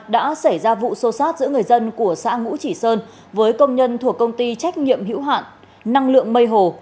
đã xảy ra vụ xô xát giữa người dân của xã ngũ chỉ sơn với công nhân thuộc công ty trách nhiệm hữu hạn năng lượng mây hồ